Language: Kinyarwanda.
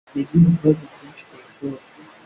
yagize ibibazo byinshi kwishuri.